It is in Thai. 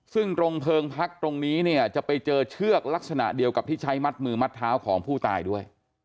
ซึ่งตรงเพลิงพักตรงนี้เนี่ยจะไปเจอเชือกลักษณะเดียวกับที่ใช้มัดมือมัดเท้าของผู้ตายด้วย